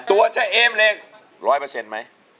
ตัวเชียวอมเลย๑๐๐ไหม